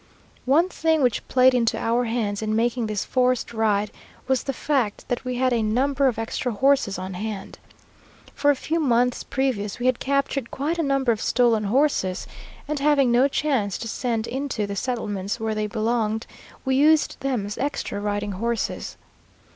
One thing which played into our hands in making this forced ride was the fact that we had a number of extra horses on hand. For a few months previous we had captured quite a number of stolen horses, and having no chance to send into the settlements where they belonged, we used them as extra riding horses.